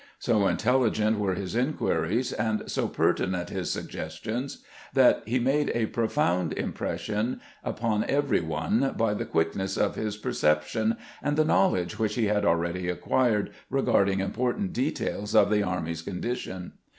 So intelligent were his inquiries, and so pertinent his suggestions, that he made a profound im pression upon every one by the quickness of his per ception and the knowledge which he had already acquired regarding important details of the army's con dition.